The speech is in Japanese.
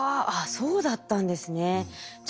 そうだったんですね。